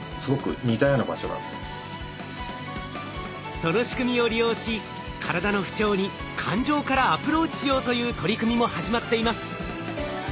その仕組みを利用し体の不調に感情からアプローチしようという取り組みも始まっています。